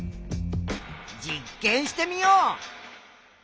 実験してみよう。